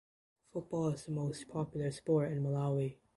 Football is the most popular sport in Malawi.